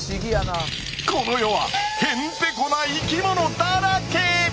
この世はへんてこな生きものだらけ。